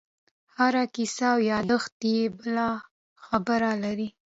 هره کیسه او یادښت یې بله خبره لري.